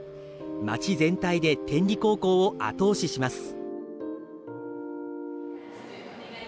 街全体で天理高校を後押しします。